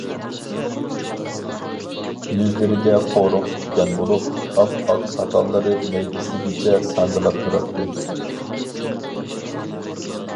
يۈزلىرىگە قورۇق چۈشكەن بولۇپ، ئاپئاق ساقاللىرى مەيدىسىگىچە ساڭگىلاپ تۇراتتى.